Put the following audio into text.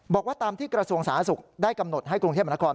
บอกว่าตามที่กระทรวงสาธารณสุขได้กำหนดให้กรุงเทพมนาคม